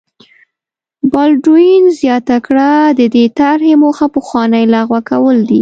بالډوین زیاته کړه د دې طرحې موخه پخوانۍ لغوه کول دي.